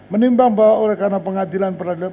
menimbang bahwa oleh karena pengadilan peradilan